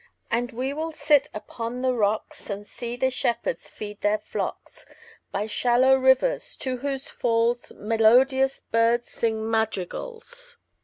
And we will sit upon the rocks, 5 And see the shepherds feed their flocks By shallow rivers, to whose falls Melodious birds sing madrigals.